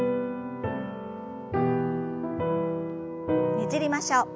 ねじりましょう。